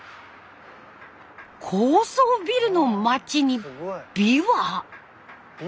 高層ビルの街に琵琶！